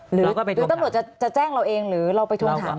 หรือตำรวจจะแจ้งเราเองหรือเราไปทวงถาม